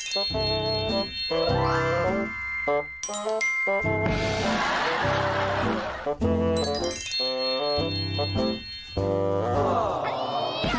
สมัดข่าวเด็ก